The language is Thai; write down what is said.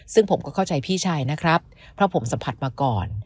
ซึ่งผมก็เข้าใจพี่ชายนะครับเพราะผมสัมผัสมาก่อน